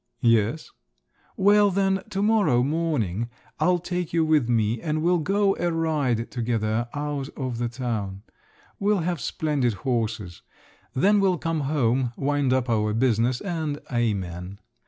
"Yes." "Well, then, to morrow morning I'll take you with me, and we'll go a ride together out of the town. We'll have splendid horses. Then we'll come home, wind up our business, and amen!